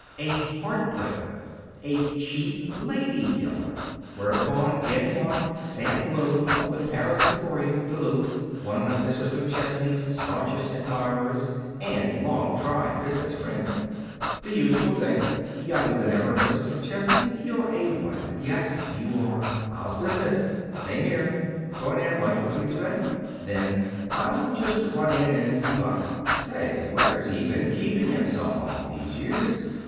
A heart breaker! A cheap lady killer! Whereupon in walked Sam Bloom, of the Paris Emporium, Duluth, one of Mrs. McChesney's stanchest admirers and a long tried business friend. The usual thing: "Younger than ever, Mrs. McChesney! You're a wonder yes, you are! How's business? Same here. Going to have lunch with me to day?" Then: "I'll just run in and see Buck. Say, where's he been keeping himself all these years?